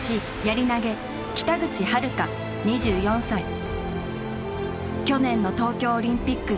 女子去年の東京オリンピック